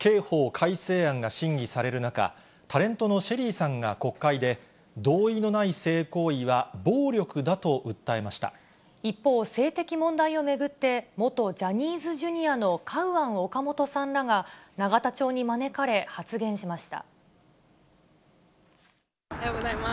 改正案が審議される中、タレントのＳＨＥＬＬＹさんが国会で、同意のない性行為は暴力だ一方、性的問題を巡って、元ジャニーズＪｒ．のカウアン・オカモトさんらが永田町に招かれおはようございます。